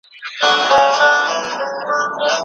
وروسته ئې شک پيدا سو.